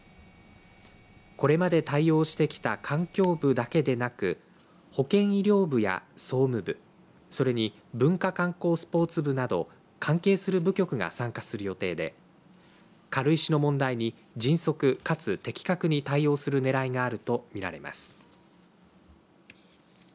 これまで対応してきた環境部だけでなく保健医療部や総務部、それに文化観光スポーツ部など関係する部局が参加する予定で軽石の問題に迅速かつ的確に対応する狙いがあるとみられます。